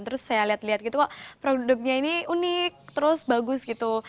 terus saya lihat lihat gitu kok produknya ini unik terus bagus gitu